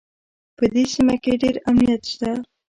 په دې سیمه کې ډېر امنیت شته